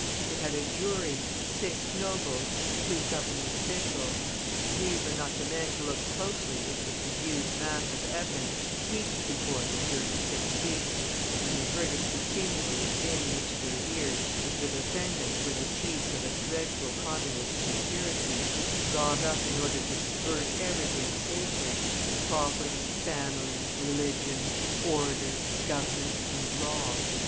It had a jury six nobles, two Government officials. These were not the men to look closely into the confused mass of evidence heaped before them during six weeks, when they heard it continually dinned into their ears that the defendants were the chiefs of a dreadful Communist conspiracy, got up in order to subvert everything sacred property, family, religion, order, government and law!